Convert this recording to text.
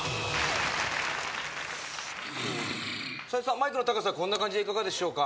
マイクの高さはこんな感じでいかがでしょうか？